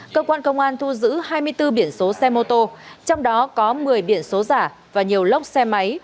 cơ quan công an thu giữ hai mươi bốn biển số xe mô tô trong đó có một mươi biển số giả và nhiều lốc xe máy